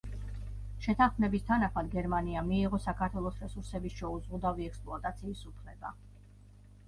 შეთანხმების თანახმად, გერმანიამ მიიღო საქართველოს რესურსების შეუზღუდავი ექსპლუატაციის უფლება.